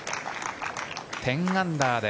１０アンダー。